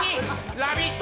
「ラヴィット！」